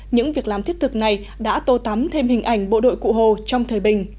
những việc làm thiết thực này đã tô tắm thêm hình ảnh bộ đội cụ hồ trong thời bình